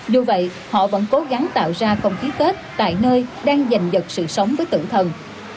dù vậy họ vẫn cố gắng tạo ra không khí kết tại nơi đang giành dật sự sống với tự thần